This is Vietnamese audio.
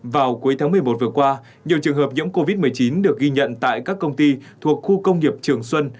vào cuối tháng một mươi một vừa qua nhiều trường hợp nhiễm covid một mươi chín được ghi nhận tại các công ty thuộc khu công nghiệp trường xuân